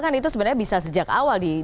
kan itu sebenarnya bisa sejak awal